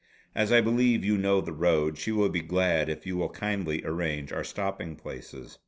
As I believe you know the road, she will be glad if you will kindly arrange our stopping places.